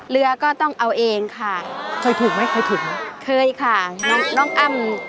เรือก็ต้องเอาเองค่ะเคยถึงไหมค่ะเคยค่ะน้องอ้ำ